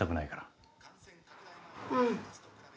うん。